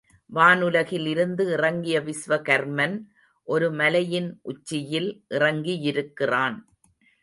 வானுலகில் இருந்து இறங்கிய விஸ்வகர்மன் ஒரு மலையின் உச்சியில் இறங்கியிருக்கிறான்.